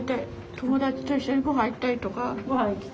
友達と一緒にごはん行ったりとか。